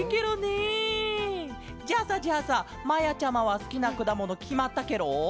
じゃあさじゃあさまやちゃまはすきなくだものきまったケロ？